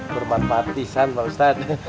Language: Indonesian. bermanfaatisan pak ustadz